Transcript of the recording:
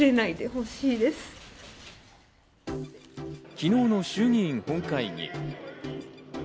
昨日の衆議院本会議。